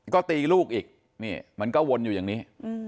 ก็ตีลูกอีกนี่มันก็วนอยู่อย่างนี้